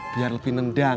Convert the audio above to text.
biar lebih nendang